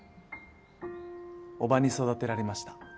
叔母に育てられました。